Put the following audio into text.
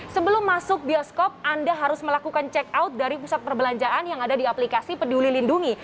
sebelum masuk bioskop anda harus melakukan check out dari pusat perbelanjaan yang ada di aplikasi peduli lindungi